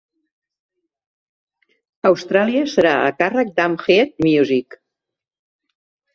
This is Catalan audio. Austràlia serà a càrrec d'AmpHead Music.